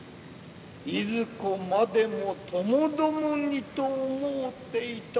いずこまでもともどもにと思うていたなれ